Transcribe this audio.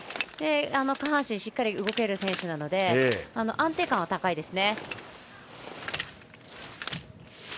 下半身しっかり動ける選手なので安定感は高いですね。